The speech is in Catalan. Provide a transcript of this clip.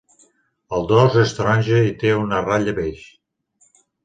El dors és taronja i té una ratlla beix.